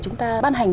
chúng ta ban hành